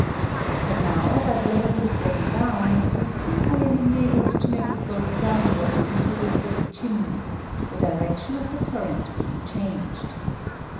But now, by blowing the flame down, you see I am enabled to make it go downward into this little chimney, the direction of the current being changed.